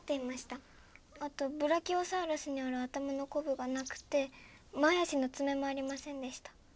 あとブラキオサウルスにある頭のコブがなくて前足の爪もありませんでした。